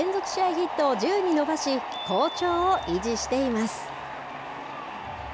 ヒットを１０に伸ばし、好調を維持しています。